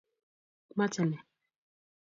Mache nee?